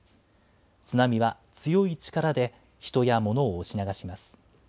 津波は強い力で人や物を押し流します。